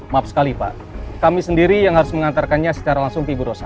maaf sekali pak kami sendiri yang harus mengantarkannya secara langsung ke ibu rosa